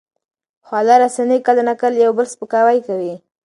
خواله رسنۍ کله ناکله د یو بل سپکاوی کوي.